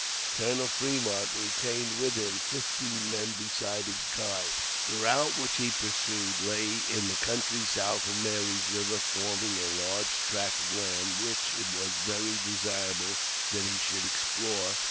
Colonel Fremont retained with him fifteen men besides his guide. The route which he pursued lay in the country south of Mary's River forming a large tract of land, which it was very desirable that he should explore.